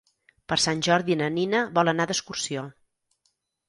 Per Sant Jordi na Nina vol anar d'excursió.